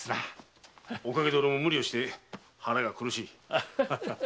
おかげで俺も無理をして腹が苦しい。